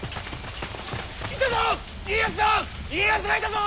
いたぞ！